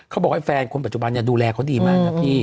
เขาบอกไอ้แฟนคนปัจจุบันดูแลเขาดีมากนะพี่